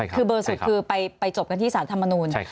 คือเบอร์สุดคือไปจบกันที่สารธรรมนูล